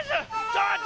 ちょっと！